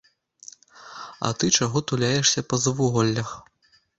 А ты чаго туляешся па завуголлях?